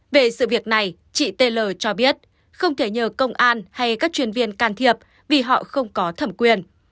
về sự việc này chị tl cho biết không thể nhờ công an hay các chuyên viên can thiệp vì họ không có thẩm quyền